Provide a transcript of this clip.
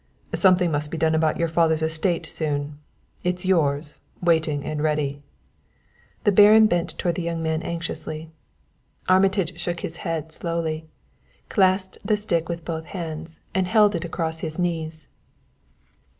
"Something must be done about your father's estate soon. It is yours, waiting and ready." The Baron bent toward the young man anxiously. Armitage shook his head slowly, and clasped the stick with both hands and held it across his knees.